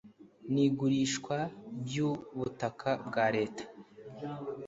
n igurishwa by ubutaka bwa leta